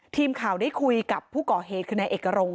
ทีมข่าวได้คุยกับผู้ก่อเหตุคือนายเอกรง